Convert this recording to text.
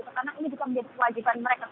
karena ini juga menjadi kewajiban mereka